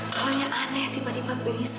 soalnya aneh tiba tiba berisi